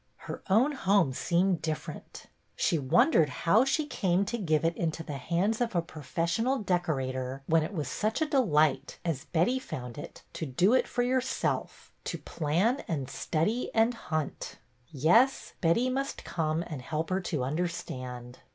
Her own home seemed different. She wondered how she came to give it into the PRESERVES 133 hands of a professional decorator when it was such a delight, as Betty found it, to do it for your self, to plan and study and hunt. Yes, Betty must come and help her to understand.